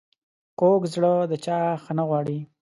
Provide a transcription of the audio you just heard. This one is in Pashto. کوږ زړه د چا ښه نه غواړي